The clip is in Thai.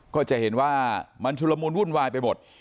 ก็จะเห็นว่ามันชุลมูลวุ่นวายไปหมด